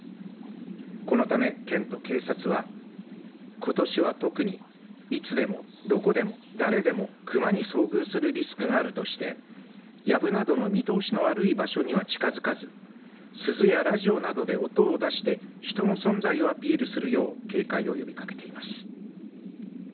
このため県と警察はことしは特にいつでも、どこでも誰でも熊に遭遇するリスクがあるとしてやぶなどの見通しの悪い場所には近づかず鈴やラジオなどで音を出して人の存在をアピールするよう警戒を呼びかけています。